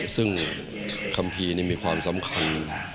ซึ่งคัมภีร์มีความสำคัญ